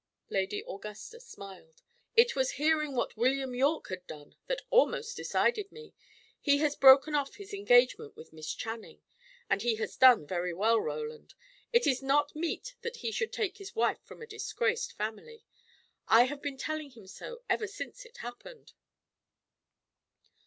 Lady Augusta smiled. "It was hearing what William Yorke had done that almost decided me. He has broken off his engagement with Miss Channing. And he has done well, Roland. It is not meet that he should take his wife from a disgraced family. I have been telling him so ever since it happened."